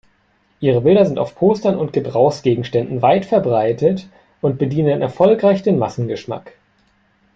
Ihre Bilder sind auf Postern und Gebrauchsgegenständen weit verbreitet und bedienen erfolgreich den Massengeschmack.